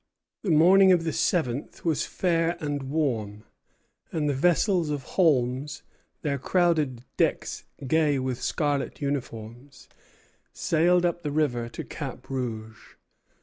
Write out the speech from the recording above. The morning of the seventh was fair and warm, and the vessels of Holmes, their crowded decks gay with scarlet uniforms, sailed up the river to Cap Rouge.